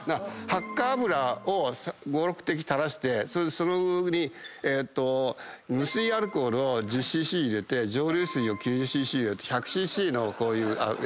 ハッカ油５６滴垂らしてそれに無水アルコールを１０ｃｃ入れて蒸留水を９０ｃｃ入れて１００ｃｃのこういう液。